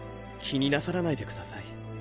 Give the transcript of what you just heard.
気になさらないでください。